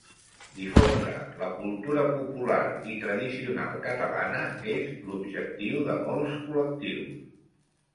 Difondre la cultura popular i tradicional catalana és l'objectiu de molts col·lectius.